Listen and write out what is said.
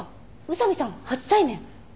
宇佐見さん初対面。